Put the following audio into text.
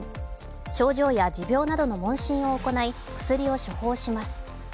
症状や持病などの問診を行い薬を処方します。